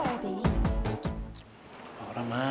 kalau off dah ya